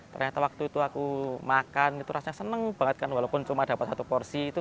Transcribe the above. ternyata waktu itu aku makan itu rasanya seneng banget kan walaupun cuma dapat satu porsi itu